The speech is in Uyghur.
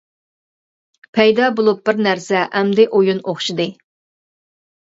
پەيدا بولۇپ بىر نەرسە، ئەمدى ئويۇن ئوخشىدى.